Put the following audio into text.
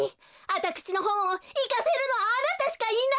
あたくしのほんをいかせるのはあなたしかいないのよ！